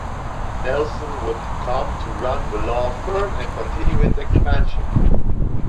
Nelson would come to run the law firm and continue its expansion.